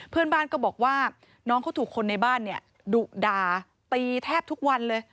เพื่อนบ้านก็บอกว่าน้องเขาถูกคนในบ้านเนี่ยดุด่าตีแทบทุกวันเลย